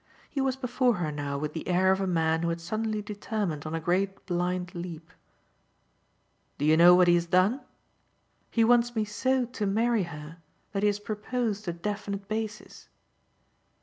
He was before her now with the air of a man who had suddenly determined on a great blind leap. "Do you know what he has done? He wants me so to marry her that he has proposed a definite basis."